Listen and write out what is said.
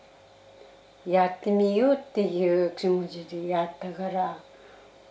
やってみようっていう気持ちでやったから。